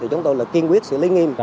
chúng tôi kiên quyết xử lý nghiêm